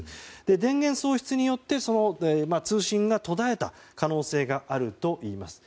電源喪失によってその通信が途絶えた可能性があるといいます。